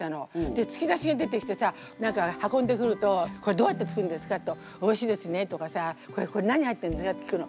でつきだしが出てきてさ何か運んでくると「これどうやって作るんですか？」と「おいしいですね」とかさ「これ何入ってるんですか？」って聞くの。